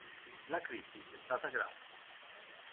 La crisi è stata grave”.